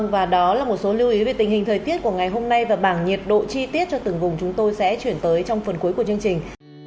và đó là một số lưu ý về tình hình thời tiết của ngày hôm nay và bảng nhiệt độ chi tiết cho từng vùng chúng tôi sẽ chuyển tới trong phần cuối của chương trình